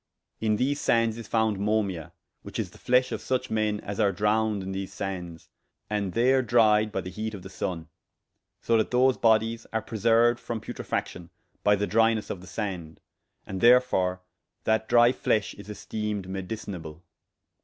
In these sandes is founde Momia, which is the fleshe of such men as are drowned in these sandes, and there dryed by the heate of the sunne: so that those bodyes are preserued from putrifaction by the drynesse of the sand; and therefore that drye fleshe is esteemed medicinable.